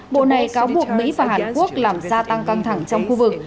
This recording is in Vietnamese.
bộ này cáo buộc mỹ và hàn quốc làm gia tăng căng thẳng trong khu vực